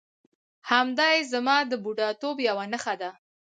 همدایې زما د بوډاتوب یوه نښه ده.